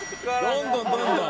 どんどんどんどん。